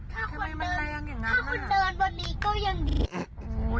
ถ้าคุณเดินถ้าคุณเดินบนนี้ก็ยังดีนะครับอย่างงั้น